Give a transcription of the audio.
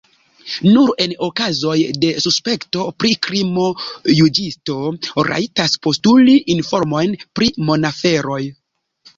Nur en okazoj de suspekto pri krimo juĝisto rajtas postuli informojn pri monaferoj.